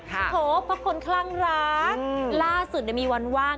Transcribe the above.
โถเพราะคนคลั่งรักล่าสุดมีวันว่าง